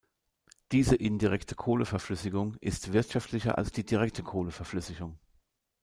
Diese indirekte Kohleverflüssigung ist wirtschaftlicher als die direkte Kohleverflüssigung.